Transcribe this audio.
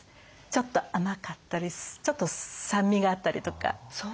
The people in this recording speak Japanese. ちょっと甘かったりちょっと酸味があったりとか。